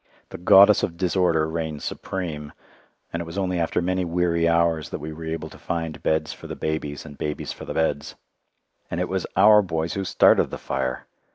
The goddess of disorder reigned supreme, and it was only after many weary hours that we were able to find beds for the babies and babies for the beds. And it was our boys who started the fire!